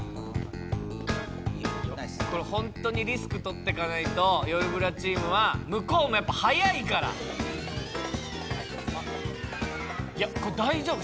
これ本当にリスクとっていかないとよるブラチームは向こうもやっぱ速いからこれ大丈夫？